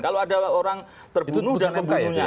itu putusan mk ya